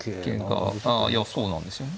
ああいやそうなんですよね。